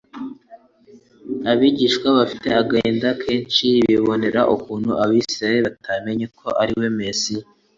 Abigishwa bafite agahinda kenshi bibonera ukuntu Abisiraeli batamenye ko ariwe Mesiya.